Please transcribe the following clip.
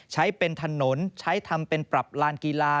ใช้เป็นถนนใช้ทำเป็นปรับลานกีฬา